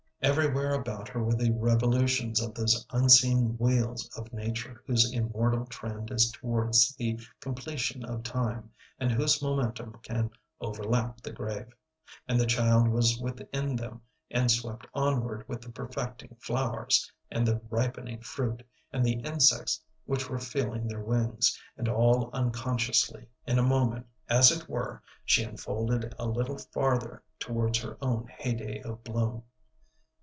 Everywhere about her were the revolutions of those unseen wheels of nature whose immortal trend is towards the completion of time, and whose momentum can overlap the grave; and the child was within them and swept onward with the perfecting flowers, and the ripening fruit, and the insects which were feeling their wings; and all unconsciously, in a moment as it were, she unfolded a little farther towards her own heyday of bloom.